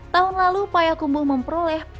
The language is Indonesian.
tahun lalu payakumbuh memperoleh predikat tersebut